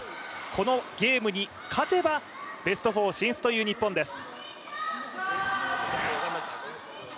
このゲームに勝てばベスト４進出という日本です。